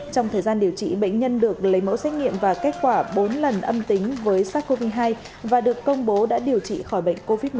trong thời gian điều trị bệnh nhân được lấy mẫu xét nghiệm và kết quả bốn lần âm tính với sars cov hai và được công bố đã điều trị khỏi bệnh covid một mươi chín